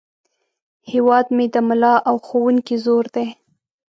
هیواد مې د ملا او ښوونکي زور دی